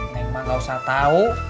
neng mah gak usah tau